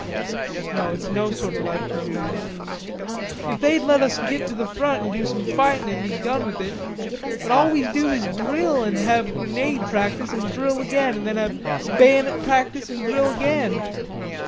"No, it's no sort of life for a man." "If they'd let us git to the front an' do some fightin' an' be done with it.... But all we do is drill and have grenade practice an' drill again and then have bayonet practice an' drill again.